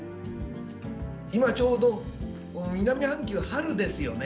今ちょうど南半球は春ですよね。